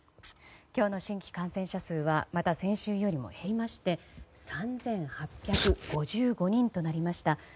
今日の新規感染者数は先週よりも減りまして３８５５人となりました。